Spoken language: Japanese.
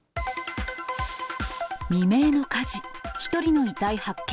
未明の火事、１人の遺体発見。